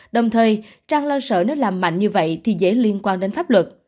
đồng thời trang lo sợ nếu làm mạnh như vậy thì dễ liên quan đến pháp luật